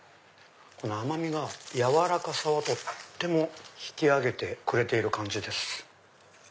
この甘みが軟らかさをとっても引き上げてくれてる感じ。